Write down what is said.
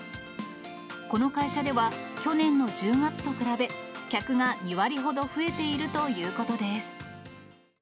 この会社では、去年の１０月と比べ、客が２割ほど増えているということです。